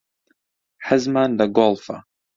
حەزمان لە گۆڵفە.